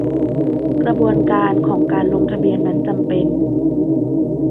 กระบวนการของการลงทะเบียนนั้นจำเป็น